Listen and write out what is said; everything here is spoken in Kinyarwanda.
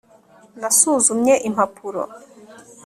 nasuzumye impapuro